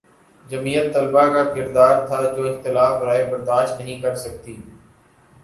جمعیت طلبہ کا کردار تھا جو اختلاف رائے برداشت نہیں کر سکتی